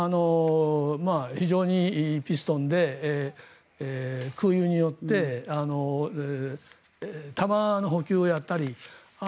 非常にいいピストンで空輸によって弾の補給をやったり。